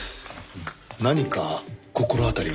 何か心当たりは？